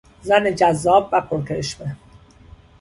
زن جذاب و پرکرشمه